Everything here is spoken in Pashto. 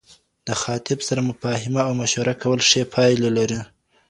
د خاطب سره مفاهمه او مشوره کول ښې پايلي لري